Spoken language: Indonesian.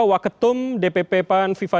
waktum dpp pan vivi